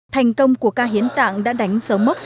thành công của ca hiến tạng đã đánh sớm mốc